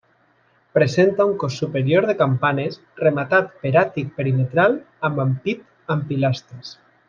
Presenta un cos superior de campanes, rematat per àtic perimetral amb ampit amb pilastres.